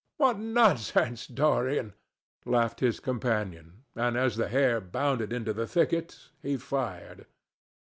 "What nonsense, Dorian!" laughed his companion, and as the hare bounded into the thicket, he fired.